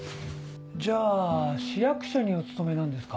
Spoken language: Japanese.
じゃあ市役所にお勤めなんですか？